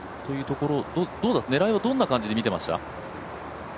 狙いはどんな感じで見てました？